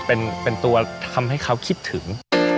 เป็นตัวทำให้เขาคิดถึง